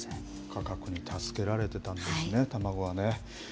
価格に助けられてたんですね、卵はね。